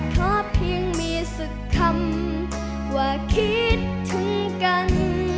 เพราะเพียงมีสักคำว่าคิดถึงกัน